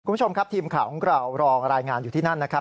คุณผู้ชมครับทีมข่าวของเรารอรายงานอยู่ที่นั่นนะครับ